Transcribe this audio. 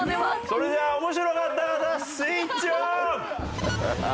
それでは面白かった方スイッチオン！